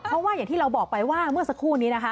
เพราะว่าอย่างที่เราบอกไปว่าเมื่อสักครู่นี้นะคะ